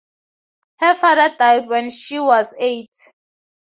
Her father died when she was eight.